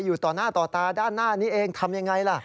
อยู่ต่อหน้าต่อตาด้านหน้านี้เองทำยังไงล่ะ